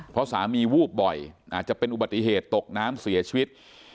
เพราะสามีวูบบ่อยอาจจะเป็นอุบัติเหตุตกน้ำเสียชีวิต